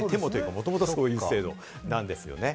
もともとそういう制度なんですよね。